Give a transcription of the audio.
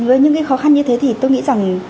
với những cái khó khăn như thế thì tôi nghĩ rằng